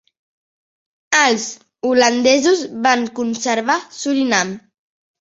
Els holandesos van conservar Surinam.